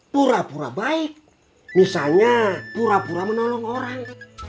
pura pura baik misalnya pura pura menolong orang